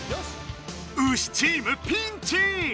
ウシチームピンチ！